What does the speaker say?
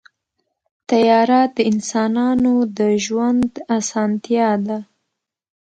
طیاره د انسانانو د ژوند اسانتیا ده.